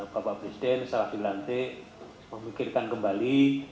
bapak presiden setelah dilantik memikirkan kembali